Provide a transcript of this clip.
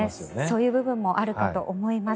そういう部分もあるかと思います。